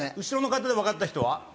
後ろの方で分かった人は？